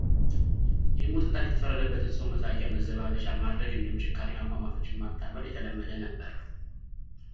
የሞት ቅጣት የተፈረደበትን ሰው መሳቂያ መዘባበቻ ማድረግ እንዲሁም ጭካኔያዊ አሟሟቶችን ማጣመር የተለመደ ነበር።